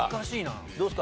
どうですか？